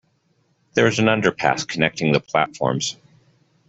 There is an underpass connecting the platforms.